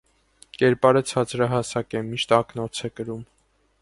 Կերպարը ցածրահասակ է, միշտ ակնոց է կրում։